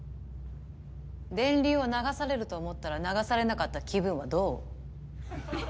電流を流されると思ったら流されなかった気分はどう？